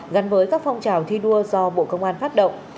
gắn với các phong trào thi đua do bộ công an phát động